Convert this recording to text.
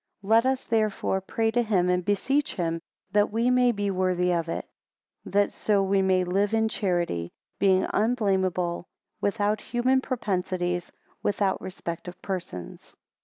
10 Let us therefore pray to him, and beseech him, that we may be worthy of it; that so we may live in charity; being unblameable, without human propensities, without respect of persons.